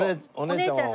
お姉ちゃん。